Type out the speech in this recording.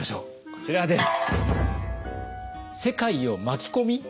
こちらです！